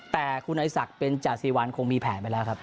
แต่คุณไอศักดิ์เป็นจาศิวัลคงมีแผนไปแล้วครับ